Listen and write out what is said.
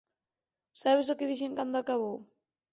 Sabes o que dixen cando acabou?